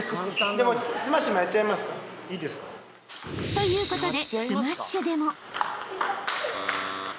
［ということで］